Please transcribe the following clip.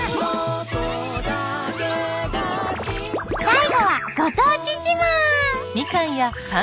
最後はご当地自慢。